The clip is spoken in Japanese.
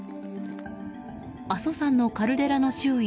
阿蘇山のカルデラの周囲